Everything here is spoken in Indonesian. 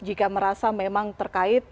jika merasa memang terkait